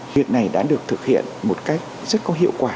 việc này đã được thực hiện một cách rất có hiệu quả